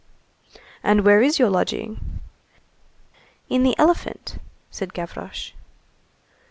"And where is your lodging?" "In the elephant," said Gavroche.